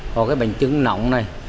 có cái bánh trứng nóng này